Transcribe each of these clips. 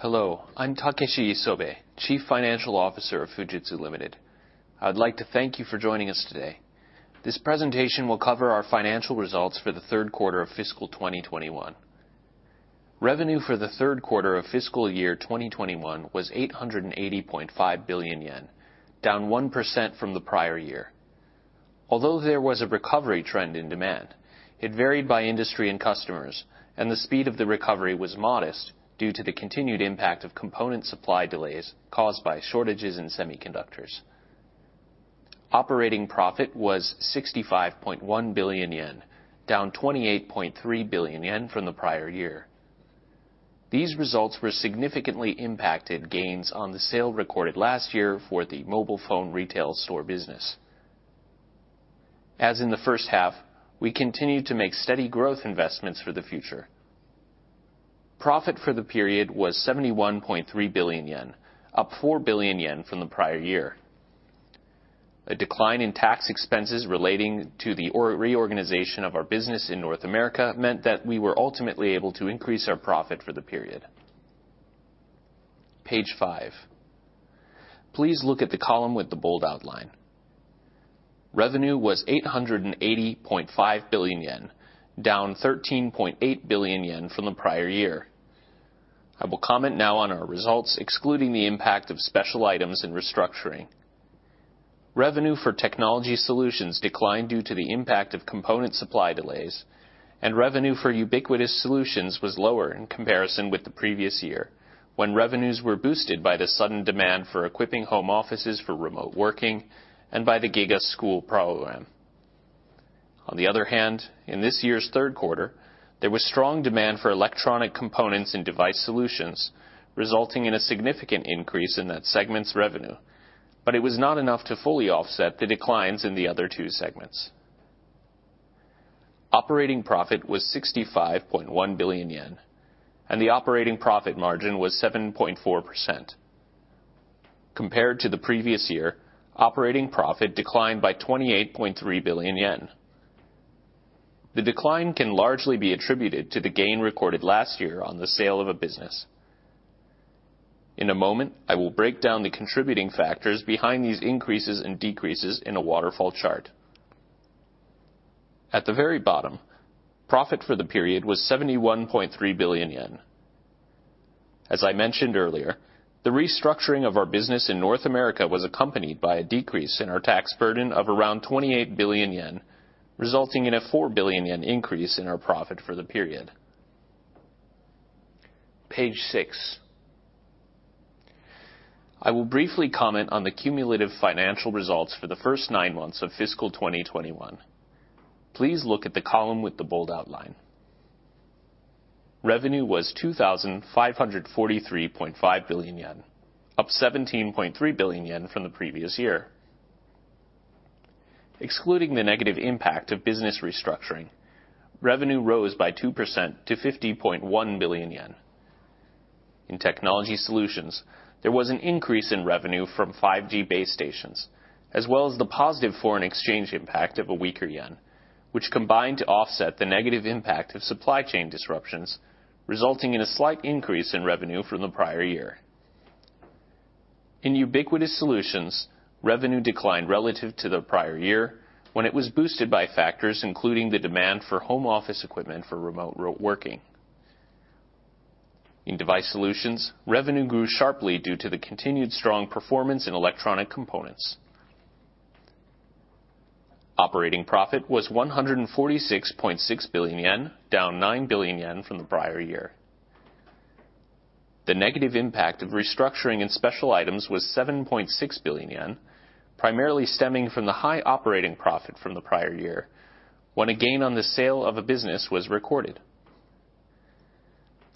Hello, I'm Takeshi Isobe, Chief Financial Officer of Fujitsu Limited. I would like to thank you for joining us today. This presentation will cover our financial results for the third quarter of fiscal 2021. Revenue for the third quarter of fiscal year 2021 was 880.5 billion yen, down 1% from the prior year. Although there was a recovery trend in demand, it varied by industry and customers, and the speed of the recovery was modest due to the continued impact of component supply delays caused by shortages in semiconductors. Operating profit was 65.1 billion yen, down 28.3 billion yen from the prior year. These results were significantly impacted gains on the sale recorded last year for the mobile phone retail store business. As in the first half, we continued to make steady growth investments for the future. Profit for the period was 71.3 billion yen, up 4 billion yen from the prior year. A decline in tax expenses relating to the reorganization of our business in North America meant that we were ultimately able to increase our profit for the period. Page five. Please look at the column with the bold outline. Revenue was 880.5 billion yen, down 13.8 billion yen from the prior year. I will comment now on our results excluding the impact of special items and restructuring. Revenue for Technology Solutions declined due to the impact of component supply delays, and revenue for Ubiquitous Solutions was lower in comparison with the previous year, when revenues were boosted by the sudden demand for equipping home offices for remote working and by the GIGA School Program. On the other hand, in this year's third quarter, there was strong demand for electronic components and Device Solutions, resulting in a significant increase in that segment's revenue, but it was not enough to fully offset the declines in the other two segments. Operating profit was 65.1 billion yen, and the operating profit margin was 7.4%. Compared to the previous year, operating profit declined by 28.3 billion yen. The decline can largely be attributed to the gain recorded last year on the sale of a business. In a moment, I will break down the contributing factors behind these increases and decreases in a waterfall chart. At the very bottom, profit for the period was 71.3 billion yen. As I mentioned earlier, the restructuring of our business in North America was accompanied by a decrease in our tax burden of around 28 billion yen, resulting in a 4 billion yen increase in our profit for the period. Page six. I will briefly comment on the cumulative financial results for the first nine months of fiscal 2021. Please look at the column with the bold outline. Revenue was 2,543.5 billion yen, up 17.3 billion yen from the previous year. Excluding the negative impact of business restructuring, revenue rose by 2% to 50.1 billion yen. In Technology Solutions, there was an increase in revenue from 5G base stations, as well as the positive foreign exchange impact of a weaker yen, which combined to offset the negative impact of supply chain disruptions, resulting in a slight increase in revenue from the prior year. In Ubiquitous Solutions, revenue declined relative to the prior year, when it was boosted by factors including the demand for home office equipment for remote working. In Device Solutions, revenue grew sharply due to the continued strong performance in electronic components. Operating profit was 146.6 billion yen, down 9 billion yen from the prior year. The negative impact of restructuring and special items was 7.6 billion yen, primarily stemming from the high operating profit from the prior year, when a gain on the sale of a business was recorded.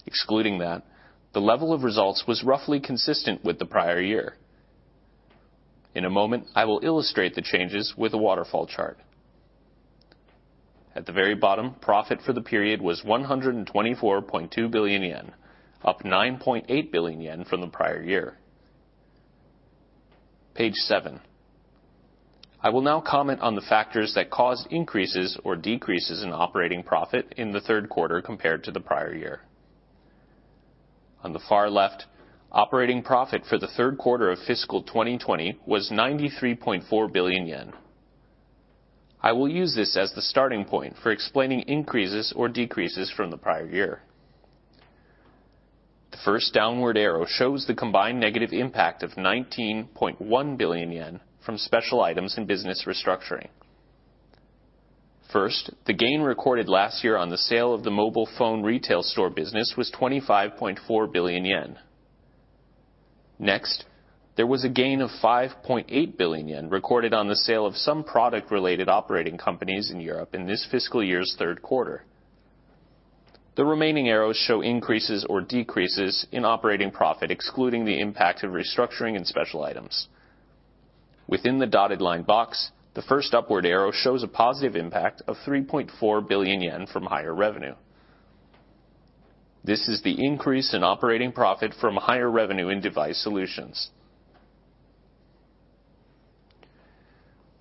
Excluding that, the level of results was roughly consistent with the prior year. In a moment, I will illustrate the changes with a waterfall chart. At the very bottom, profit for the period was 124.2 billion yen, up 9.8 billion yen from the prior year. Page seven. I will now comment on the factors that caused increases or decreases in operating profit in the third quarter compared to the prior year. On the far left, operating profit for the third quarter of fiscal 2020 was 93.4 billion yen. I will use this as the starting point for explaining increases or decreases from the prior year. The first downward arrow shows the combined negative impact of 19.1 billion yen from special items and business restructuring. First, the gain recorded last year on the sale of the mobile phone retail store business was 25.4 billion yen. Next, there was a gain of 5.8 billion yen recorded on the sale of some product-related operating companies in Europe in this fiscal year's third quarter. The remaining arrows show increases or decreases in operating profit, excluding the impact of restructuring and special items. Within the dotted line box, the first upward arrow shows a positive impact of 3.4 billion yen from higher revenue. This is the increase in operating profit from higher revenue in Device Solutions.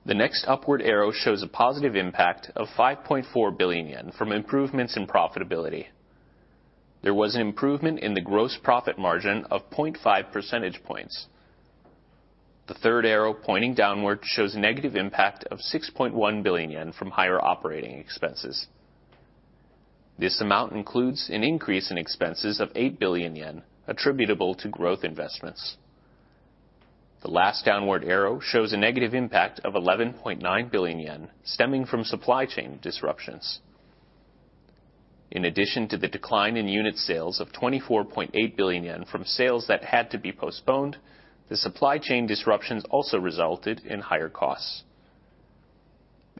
The next upward arrow shows a positive impact of 5.4 billion yen from improvements in profitability. There was an improvement in the gross profit margin of 0.5 percentage points. The third arrow pointing downward shows a negative impact of 6.1 billion yen from higher operating expenses. This amount includes an increase in expenses of 8 billion yen attributable to growth investments. The last downward arrow shows a negative impact of 11.9 billion yen stemming from supply chain disruptions. In addition to the decline in unit sales of 24.8 billion yen from sales that had to be postponed, the supply chain disruptions also resulted in higher costs.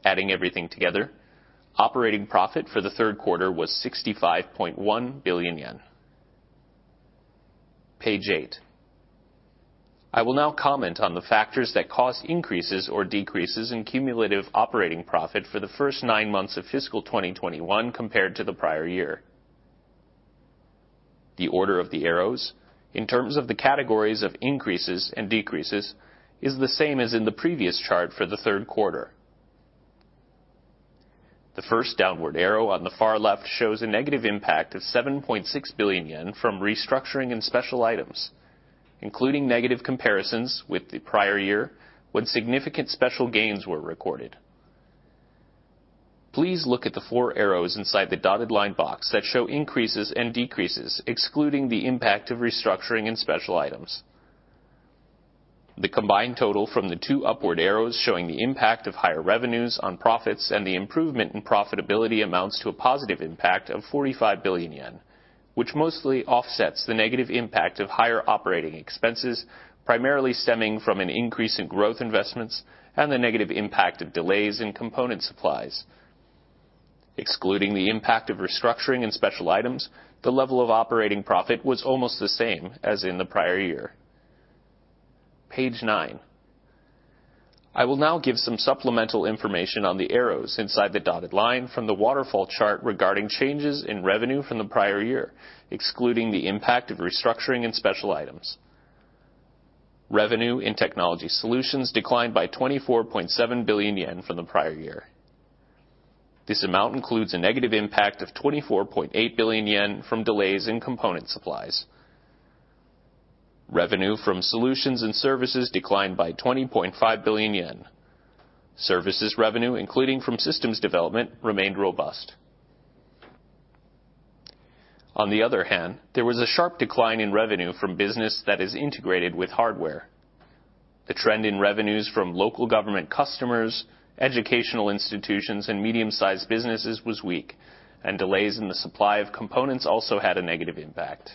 Adding everything together, operating profit for the third quarter was 65.1 billion yen. Page eight. I will now comment on the factors that cause increases or decreases in cumulative operating profit for the first nine months of fiscal 2021 compared to the prior year. The order of the arrows, in terms of the categories of increases and decreases, is the same as in the previous chart for the third quarter. The first downward arrow on the far left shows a negative impact of 7.6 billion yen from restructuring and special items, including negative comparisons with the prior year when significant special gains were recorded. Please look at the four arrows inside the dotted line box that show increases and decreases, excluding the impact of restructuring and special items. The combined total from the two upward arrows showing the impact of higher revenues on profits and the improvement in profitability amounts to a positive impact of 45 billion yen, which mostly offsets the negative impact of higher operating expenses, primarily stemming from an increase in growth investments and the negative impact of delays in component supplies. Excluding the impact of restructuring and special items, the level of operating profit was almost the same as in the prior year. Page nine. I will now give some supplemental information on the arrows inside the dotted line from the waterfall chart regarding changes in revenue from the prior year, excluding the impact of restructuring and special items. Revenue in Technology Solutions declined by 24.7 billion yen from the prior year. This amount includes a negative impact of 24.8 billion yen from delays in component supplies. Revenue from solutions and services declined by 20.5 billion yen. Services revenue, including from systems development, remained robust. On the other hand, there was a sharp decline in revenue from business that is integrated with hardware. The trend in revenues from local government customers, educational institutions, and medium-sized businesses was weak, and delays in the supply of components also had a negative impact.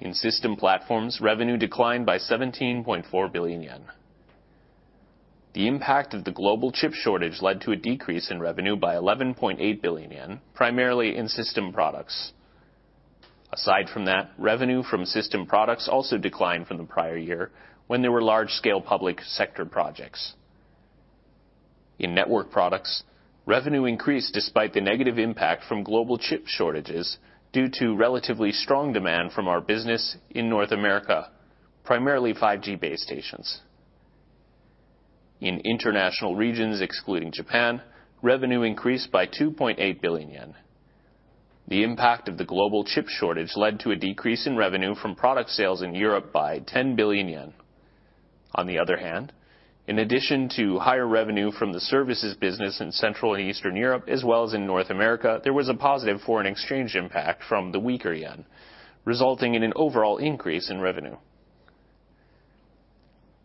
In system platforms, revenue declined by 17.4 billion yen. The impact of the global chip shortage led to a decrease in revenue by 11.8 billion yen, primarily in system products. Aside from that, revenue from system products also declined from the prior year when there were large-scale public sector projects. In network products, revenue increased despite the negative impact from global chip shortages due to relatively strong demand from our business in North America, primarily 5G base stations. In international regions excluding Japan, revenue increased by 2.8 billion yen. The impact of the global chip shortage led to a decrease in revenue from product sales in Europe by 10 billion yen. On the other hand, in addition to higher revenue from the services business in Central and Eastern Europe as well as in North America, there was a positive foreign exchange impact from the weaker yen, resulting in an overall increase in revenue.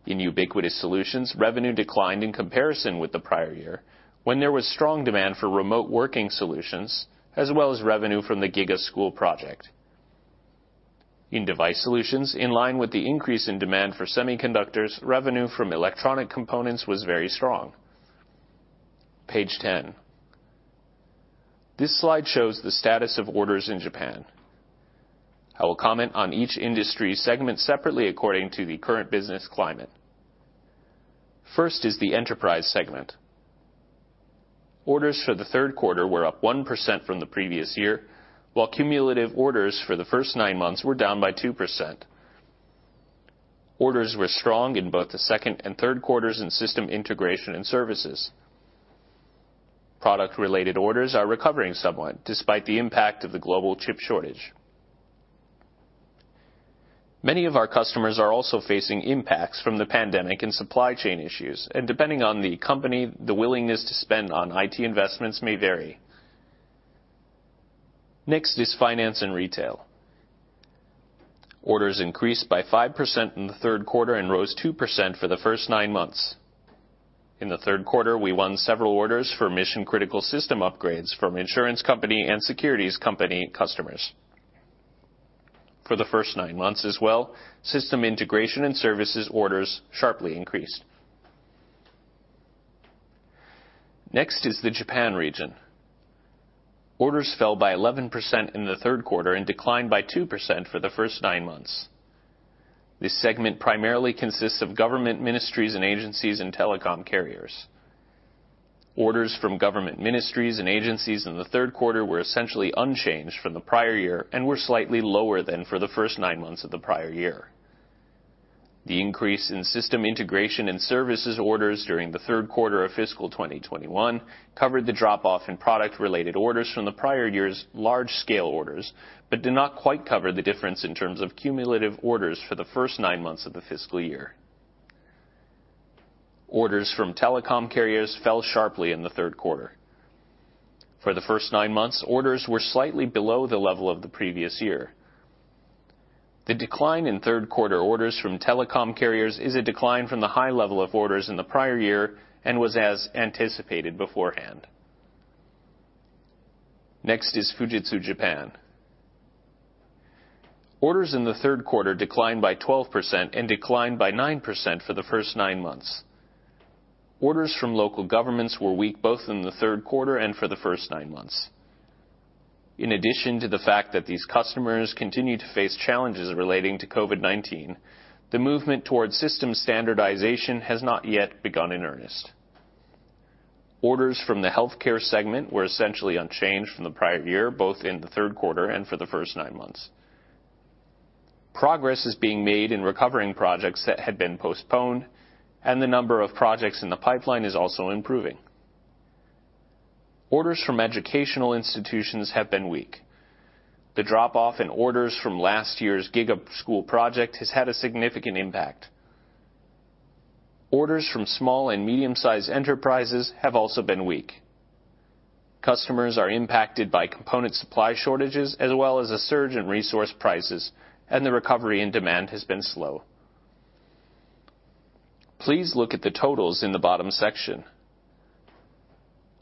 In Ubiquitous Solutions, revenue declined in comparison with the prior year, when there was strong demand for remote working solutions, as well as revenue from the GIGA School Program. In Device Solutions, in line with the increase in demand for semiconductors, revenue from electronic components was very strong. Page 10. This slide shows the status of orders in Japan. I will comment on each industry segment separately according to the current business climate. First is the enterprise segment. Orders for the third quarter were up 1% from the previous year, while cumulative orders for the first nine months were down by 2%. Orders were strong in both the second and third quarters in system integration and services. Product-related orders are recovering somewhat despite the impact of the global chip shortage. Many of our customers are also facing impacts from the pandemic and supply chain issues, and depending on the company, the willingness to spend on IT investments may vary. Next is finance and retail. Orders increased by 5% in the third quarter and rose 2% for the first nine months. In the third quarter, we won several orders for mission-critical system upgrades from insurance company and securities company customers. For the first nine months as well, system integration and services orders sharply increased. Next is the Japan region. Orders fell by 11% in the third quarter and declined by 2% for the first nine months. This segment primarily consists of government ministries and agencies and telecom carriers. Orders from government ministries and agencies in the third quarter were essentially unchanged from the prior year and were slightly lower than for the first nine months of the prior year. The increase in system integration and services orders during the third quarter of fiscal 2021 covered the drop-off in product-related orders from the prior year's large-scale orders, but did not quite cover the difference in terms of cumulative orders for the first nine months of the fiscal year. Orders from telecom carriers fell sharply in the third quarter. For the first nine months, orders were slightly below the level of the previous year. The decline in third quarter orders from telecom carriers is a decline from the high level of orders in the prior year and was as anticipated beforehand. Next is Fujitsu Japan. Orders in the third quarter declined by 12% and declined by 9% for the first nine months. Orders from local governments were weak both in the third quarter and for the first nine months. In addition to the fact that these customers continued to face challenges relating to COVID-19, the movement towards system standardization has not yet begun in earnest. Orders from the healthcare segment were essentially unchanged from the prior year, both in the third quarter and for the first nine months. Progress is being made in recovering projects that had been postponed, and the number of projects in the pipeline is also improving. Orders from educational institutions have been weak. The drop-off in orders from last year's GIGA School project has had a significant impact. Orders from small and medium-sized enterprises have also been weak. Customers are impacted by component supply shortages as well as a surge in resource prices, and the recovery and demand has been slow. Please look at the totals in the bottom section.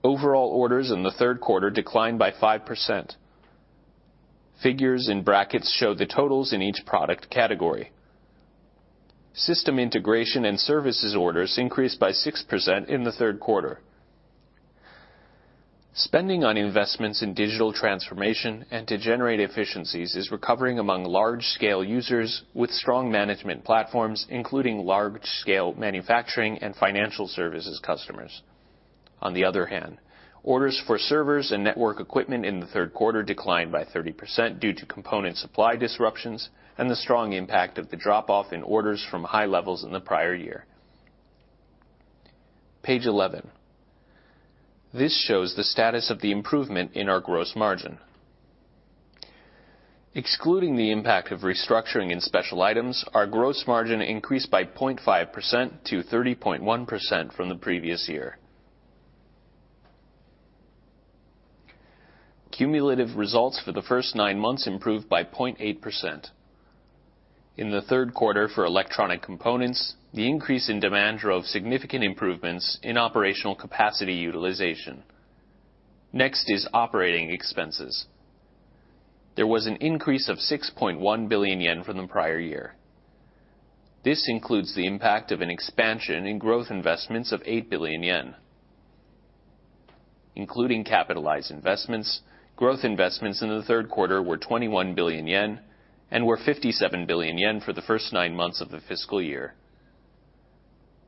Overall orders in the third quarter declined by 5%. Figures in brackets show the totals in each product category. System integration and services orders increased by 6% in the third quarter. Spending on investments in digital transformation and to generate efficiencies is recovering among large-scale users with strong management platforms, including large-scale manufacturing and financial services customers. Orders for servers and network equipment in the third quarter declined by 30% due to component supply disruptions and the strong impact of the drop-off in orders from high levels in the prior year. Page 11. This shows the status of the improvement in our gross margin. Excluding the impact of restructuring and special items, our gross margin increased by 0.5% to 30.1% from the previous year. Cumulative results for the first nine months improved by 0.8%. In the third quarter for electronic components, the increase in demand drove significant improvements in operational capacity utilization. Next is operating expenses. There was an increase of 6.1 billion yen from the prior year. This includes the impact of an expansion in growth investments of 8 billion yen. Including capitalized investments, growth investments in the third quarter were 21 billion yen and were 57 billion yen for the first nine months of the fiscal year.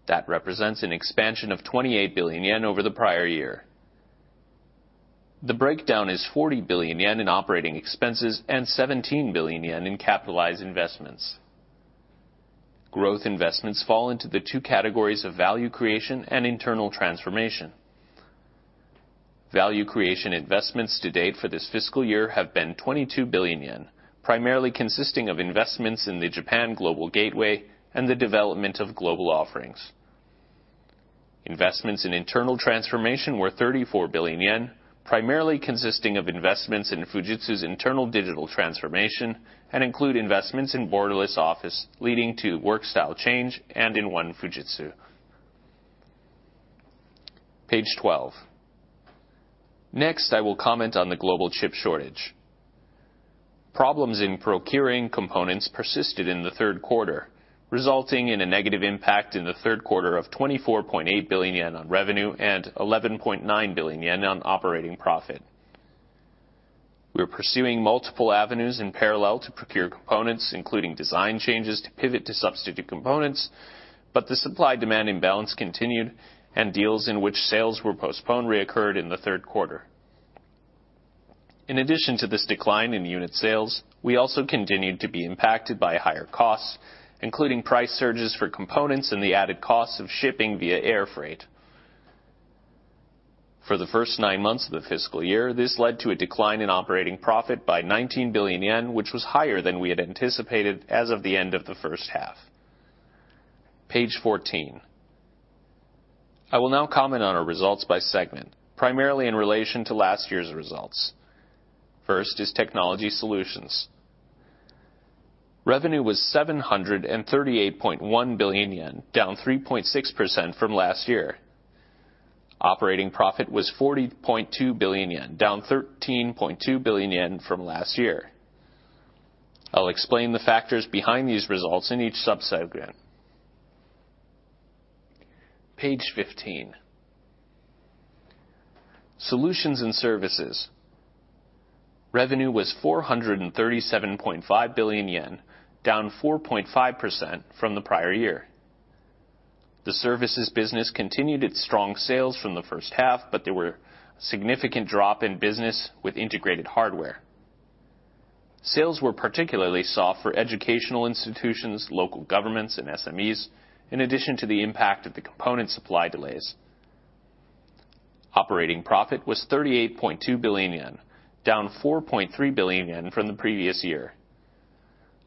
That represents an expansion of 28 billion yen over the prior year. The breakdown is 40 billion yen in operating expenses and 17 billion yen in capitalized investments. Growth investments fall into the two categories of value creation and internal transformation. Value creation investments to date for this fiscal year have been 22 billion yen, primarily consisting of investments in the Japan Global Gateway and the development of global offerings. Investments in internal transformation were 34 billion yen, primarily consisting of investments in Fujitsu's internal digital transformation and include investments in Borderless Office leading to work style change and in One Fujitsu. Page 12. Next, I will comment on the global chip shortage. Problems in procuring components persisted in the third quarter, resulting in a negative impact in the third quarter of 24.8 billion yen on revenue and 11.9 billion yen on operating profit. We are pursuing multiple avenues in parallel to procure components, including design changes, to pivot to substitute components, but the supply-demand imbalance continued and deals in which sales were postponed reoccurred in the third quarter. In addition to this decline in unit sales, we also continued to be impacted by higher costs, including price surges for components and the added costs of shipping via air freight. For the first nine months of the fiscal year, this led to a decline in operating profit by 19 billion yen, which was higher than we had anticipated as of the end of the first half. Page 14. I will now comment on our results by segment, primarily in relation to last year's results. First is Technology Solutions. Revenue was 738.1 billion yen, down 3.6% from last year. Operating profit was 40.2 billion yen, down 13.2 billion yen from last year. I'll explain the factors behind these results in each sub-segment. Page 15. Solutions and services. Revenue was 437.5 billion yen, down 4.5% from the prior year. The services business continued its strong sales from the first half, but there were significant drop in business with integrated hardware. Sales were particularly soft for educational institutions, local governments, and SMEs, in addition to the impact of the component supply delays. Operating profit was 38.2 billion yen, down 4.3 billion yen from the previous year.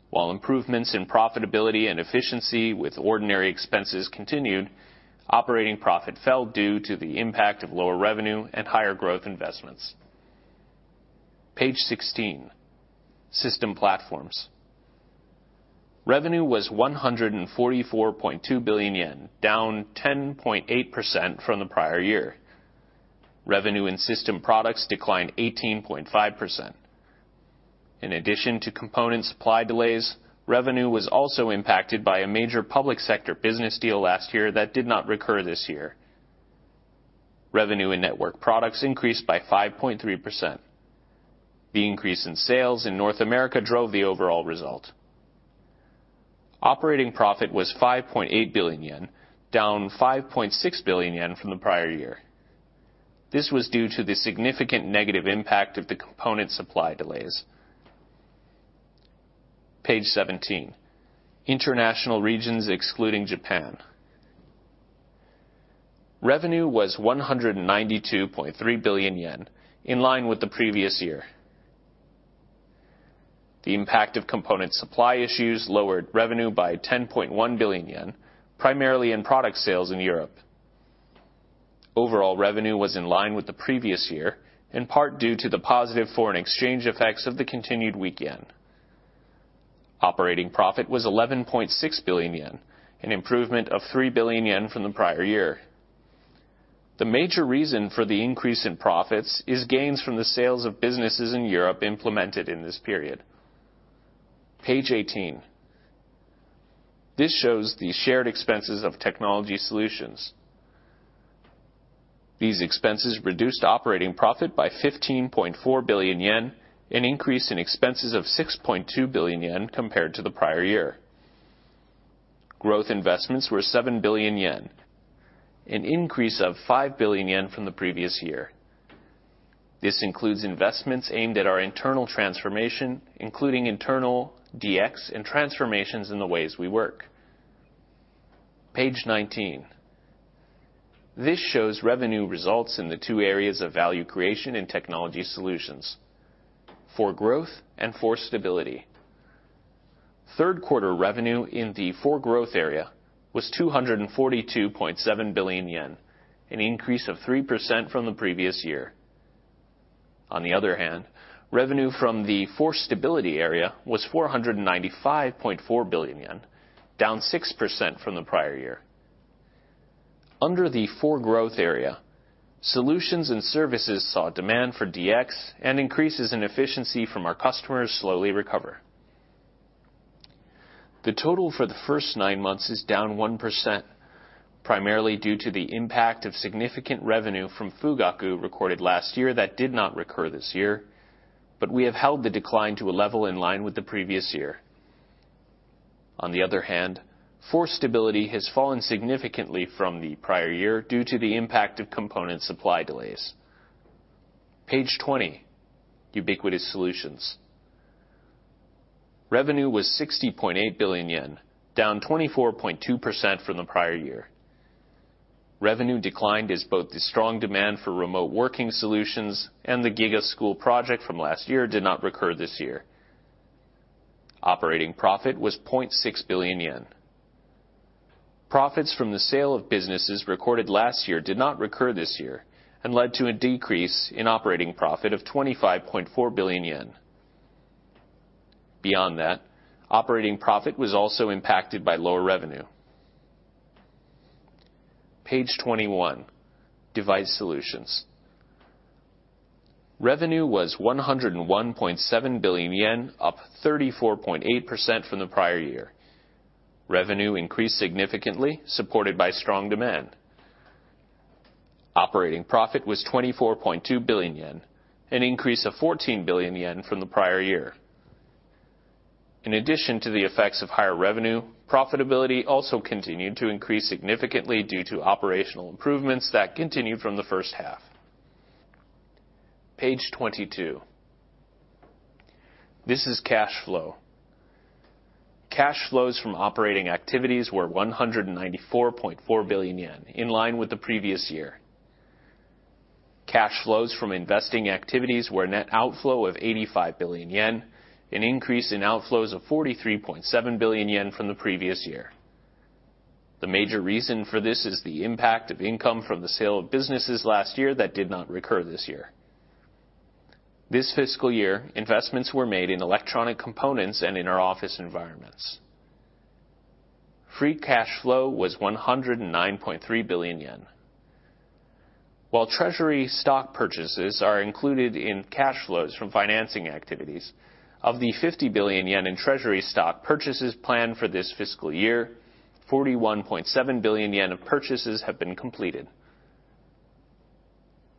While improvements in profitability and efficiency with ordinary expenses continued, operating profit fell due to the impact of lower revenue and higher growth investments. Page 16, System Platforms. Revenue was 144.2 billion yen, down 10.8% from the prior year. Revenue in system products declined 18.5%. In addition to component supply delays, revenue was also impacted by a major public sector business deal last year that did not recur this year. Revenue in network products increased by 5.3%. The increase in sales in North America drove the overall result. Operating profit was 5.8 billion yen, down 5.6 billion yen from the prior year. This was due to the significant negative impact of the component supply delays. Page 17, International Regions excluding Japan. Revenue was 192.3 billion yen, in line with the previous year. The impact of component supply issues lowered revenue by 10.1 billion yen, primarily in product sales in Europe. Overall revenue was in line with the previous year, in part due to the positive foreign exchange effects of the continued weak yen. Operating profit was 11.6 billion yen, an improvement of 3 billion yen from the prior year. The major reason for the increase in profits is gains from the sales of businesses in Europe implemented in this period. Page 18. This shows the shared expenses of Technology Solutions. These expenses reduced operating profit by 15.4 billion yen, an increase in expenses of 6.2 billion yen compared to the prior year. Growth investments were 7 billion yen, an increase of 5 billion yen from the previous year. This includes investments aimed at our internal transformation, including internal DX and transformations in the ways we work. Page 19. This shows revenue results in the two areas of value creation and Technology Solutions: For Growth and For Stability. Third quarter revenue in the For Growth area was 242.7 billion yen, an increase of 3% from the previous year. On the other hand, revenue from the For Stability area was 495.4 billion yen, down 6% from the prior year. Under the For Growth area, solutions and services saw demand for DX and increases in efficiency from our customers slowly recover. The total for the first nine months is down 1%, primarily due to the impact of significant revenue from Fugaku recorded last year that did not recur this year, but we have held the decline to a level in line with the previous year. On the other hand, For Stability has fallen significantly from the prior year due to the impact of component supply delays. Page 20, Ubiquitous Solutions. Revenue was 60.8 billion yen, down 24.2% from the prior year. Revenue declined as both the strong demand for remote working solutions and the GIGA School Program from last year did not recur this year. Operating profit was 0.6 billion yen. Profits from the sale of businesses recorded last year did not recur this year, and led to a decrease in operating profit of 25.4 billion yen. Beyond that, operating profit was also impacted by lower revenue. Page 21, Device Solutions. Revenue was 101.7 billion yen, up 34.8% from the prior year. Revenue increased significantly, supported by strong demand. Operating profit was 24.2 billion yen, an increase of 14 billion yen from the prior year. In addition to the effects of higher revenue, profitability also continued to increase significantly due to operational improvements that continued from the first half. Page 22. This is cash flow. Cash flows from operating activities were 194.4 billion yen, in line with the previous year. Cash flows from investing activities were net outflow of 85 billion yen, an increase in outflows of 43.7 billion yen from the previous year. The major reason for this is the impact of income from the sale of businesses last year that did not recur this year. This fiscal year, investments were made in electronic components and in our office environments. Free cash flow was 109.3 billion yen. While Treasury stock purchases are included in cash flows from financing activities, of the 50 billion yen in Treasury stock purchases planned for this fiscal year, 41.7 billion yen of purchases have been completed.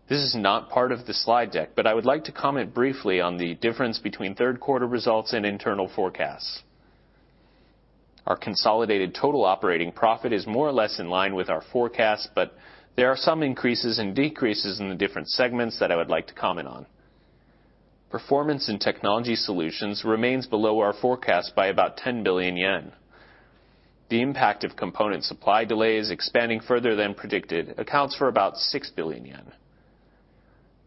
This is not part of the slide deck, but I would like to comment briefly on the difference between third quarter results and internal forecasts. Our consolidated total operating profit is more or less in line with our forecast, but there are some increases and decreases in the different segments that I would like to comment on. Performance in Technology Solutions remains below our forecast by about 10 billion yen. The impact of component supply delays expanding further than predicted accounts for about 6 billion yen.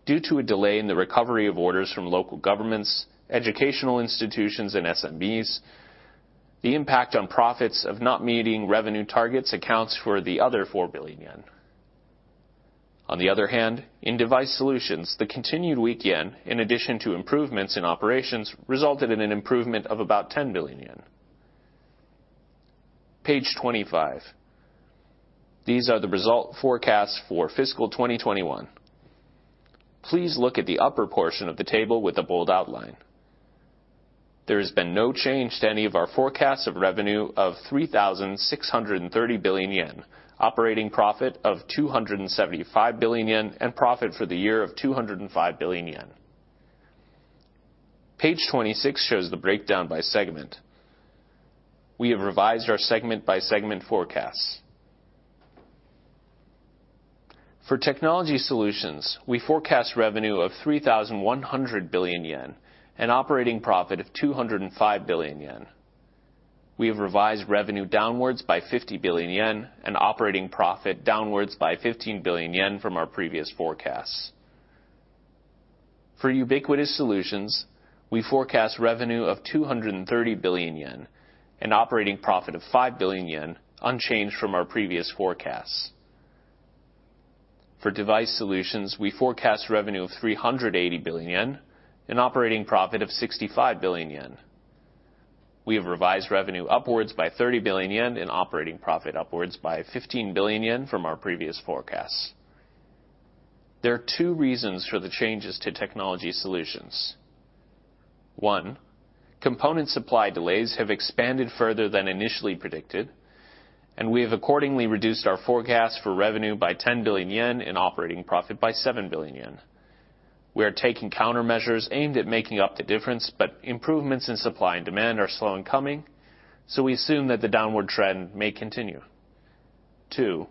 Due to a delay in the recovery of orders from local governments, educational institutions, and SMBs, the impact on profits of not meeting revenue targets accounts for the other 4 billion yen. On the other hand, in Device Solutions, the continued weak yen, in addition to improvements in operations, resulted in an improvement of about 10 billion yen. Page 25. These are the result forecasts for fiscal 2021. Please look at the upper portion of the table with the bold outline. There has been no change to any of our forecasts of revenue of 3,630 billion yen, operating profit of 275 billion yen, and profit for the year of 205 billion yen. Page 26 shows the breakdown by segment. We have revised our segment-by-segment forecasts. For Technology Solutions, we forecast revenue of 3,100 billion yen and operating profit of 205 billion yen. We have revised revenue downwards by 50 billion yen and operating profit downwards by 15 billion yen from our previous forecasts. For Ubiquitous Solutions, we forecast revenue of 230 billion yen, an operating profit of 5 billion yen, unchanged from our previous forecasts. For Device Solutions, we forecast revenue of 380 billion yen and operating profit of 65 billion yen. We have revised revenue upwards by 30 billion yen and operating profit upwards by 15 billion yen from our previous forecasts. There are two reasons for the changes to Technology Solutions. One, component supply delays have expanded further than initially predicted, and we have accordingly reduced our forecast for revenue by 10 billion yen and operating profit by 7 billion yen. We are taking countermeasures aimed at making up the difference, but improvements in supply and demand are slow in coming, so we assume that the downward trend may continue. Two,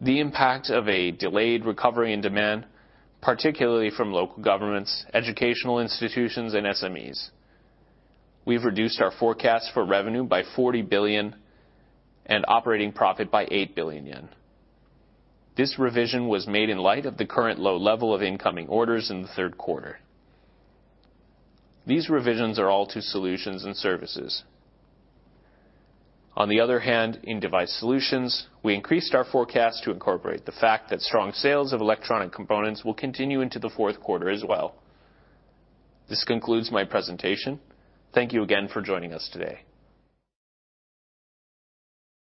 the impact of a delayed recovery in demand, particularly from local governments, educational institutions, and SMEs. We've reduced our forecast for revenue by 40 billion and operating profit by 8 billion yen. This revision was made in light of the current low level of incoming orders in the third quarter. These revisions are all to solutions and services. On the other hand, in Device Solutions, we increased our forecast to incorporate the fact that strong sales of electronic components will continue into the fourth quarter as well. This concludes my presentation. Thank you again for joining us today.